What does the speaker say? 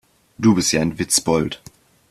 Du bist ja ein Witzbold.